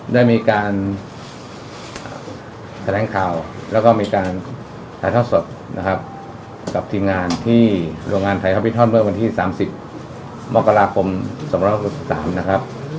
ได้มีการแถลงข่าวแล้วก็มีการถ่ายทอดสดนะครับกับทีมงานที่โรงงานไทยฮอปิท่อนเมื่อวันที่๓๐มกราคม๒๖๓นะครับ